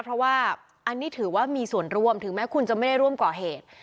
เพราะว่าอันนี้ถือว่ามีส่วนร่วมถึงแม้คุณจะไม่ได้ร่วมก่อเหตุ